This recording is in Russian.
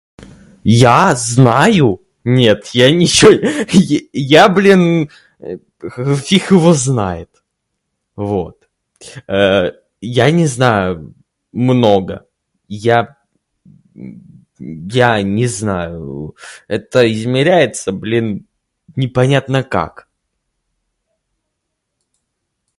Я знаю? Нет, я ничего. Я, я, блин, э, фиг его знает. Вот. Э-э, я не знаю много. Я, м-м-м, я не знаю, это измеряется, блин, непонятно как.